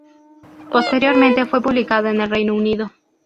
Posteriormente fue publicado en el Reino Unido.